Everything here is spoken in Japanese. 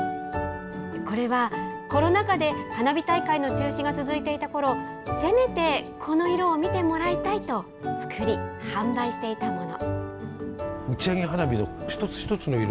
これは、コロナ禍で花火大会の中止が続いていたころ、せめてこの色を見てもらいたいと作り、販売していたもの。